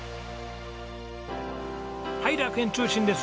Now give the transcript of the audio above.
はい楽園通信です。